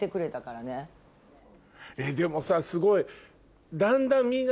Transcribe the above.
でもさすごい。